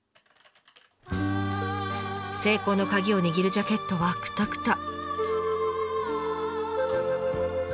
成功のカギを握るジャケットはくたくた。